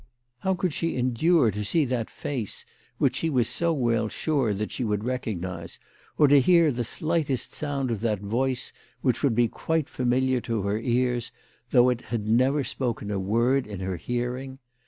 How could she endure to see that face which she was so well sure that she would recognise, or to hear the slightest sound of that voice which would be quite familiar to her ears, though it had never spoken a word in her hearing